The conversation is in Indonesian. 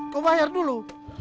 kau bayar dulu